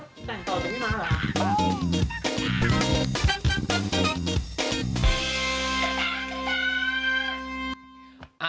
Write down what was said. แต่งต่อจากพี่ม้าละ